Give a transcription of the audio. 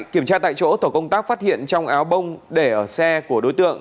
kiểm tra tại chỗ tổ công tác phát hiện trong áo bông để ở xe của đối tượng